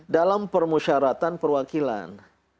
dalam permusyaratan perwakilan